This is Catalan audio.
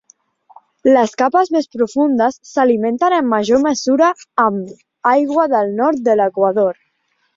Les capes més profundes s'alimenten en major mesura amb aigua del nord de l'equador.